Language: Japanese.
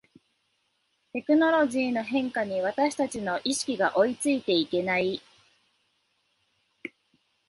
テクノロジーの変化に私たちの意識が追いついていけない